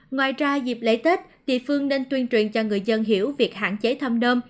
ngoài ra dịp lễ tết địa phương nên tuyên truyền cho người dân hiểu việc hạn chế thăm nơm